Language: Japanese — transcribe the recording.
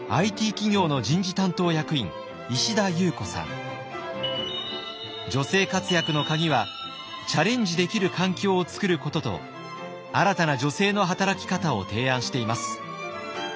そして女性活躍のカギはチャレンジできる環境を作ることと新たな女性の働き方を提案しています。